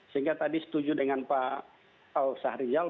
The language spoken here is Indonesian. sehingga tadi setuju dengan pak sahrial